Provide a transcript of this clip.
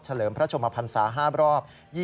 ลิมพระชมพันศา๕รอบ